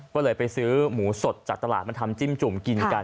ก็เลยไปซื้อหมูสดจากตลาดมาทำจิ้มจุ่มกินกัน